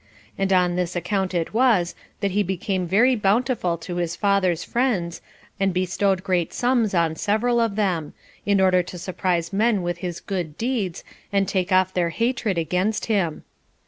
And on this account it was that he became very bountiful to his father's friends, and bestowed great sums on several of them, in order to surprise men with his good deeds, and take off their hatred against him.